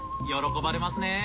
喜ばれますね。